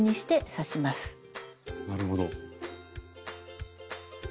なるほど。